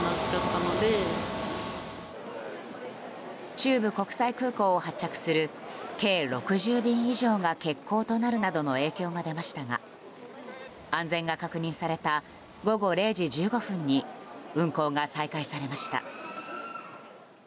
中部国際空港を発着する計６０便以上が欠航となるなどの影響が出ましたが安全が確認された午後０時１５分に運航が再開されました。